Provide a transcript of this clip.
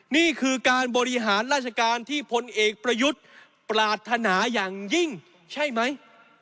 นี่คือการบริหารราชการที่พลเอกประยุทธ์ปรารถนาอย่างยิ่งใช่ไหม